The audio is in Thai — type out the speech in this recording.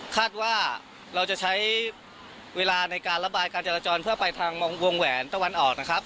คาดว่าเราจะใช้เวลาในการระบายการจราจรเพื่อไปทางวงแหวนตะวันออกนะครับ